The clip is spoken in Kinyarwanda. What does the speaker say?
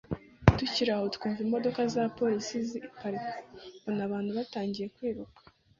tukiraho twumva imodoka za polisi hanze ziparika mbona abantu batangiye kwiruka